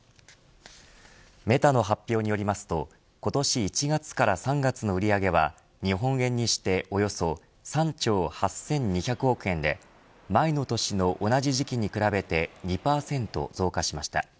メタの発表によりますと今年１月から３月の売り上げは日本円にしておよそ３兆８２００億円で前の年の同じ時期に比べて２％増加しました。